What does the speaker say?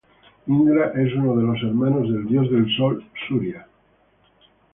Indra es uno de los hermanos del dios del Sol Suria.